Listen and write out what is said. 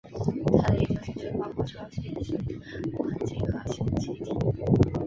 他的研究兴趣包括超新星环境和星际气体。